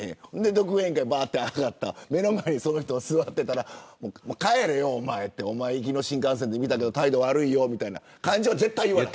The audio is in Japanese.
独演会開演して目の前にその人が座っていたら帰れよ、おまえ行きの新幹線で見たけど態度悪いよとかは言わない。